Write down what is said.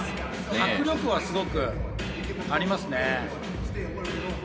迫力はすごくありますね。